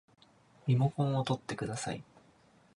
リモコンをとってください